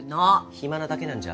暇なだけなんじゃ。